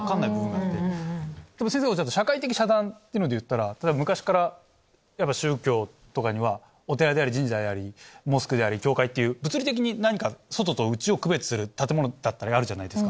でも先生がおっしゃった社会的遮断で言ったら例えば昔からやっぱ宗教とかにはお寺であり神社でありモスクであり教会っていう物理的に何か外と内を区別する建物だったりあるじゃないですか。